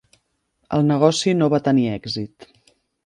El negoci no va tenir èxit.